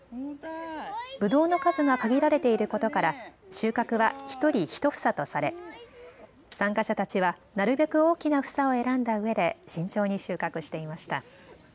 ぶどうの数が限られていることから収穫は１人１房とされ参加者たちはなるべく大きな房を選んだうえで慎重に収穫していました。